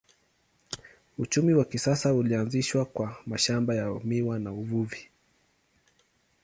Uchumi wa kisasa ulianzishwa kwa mashamba ya miwa na uvuvi.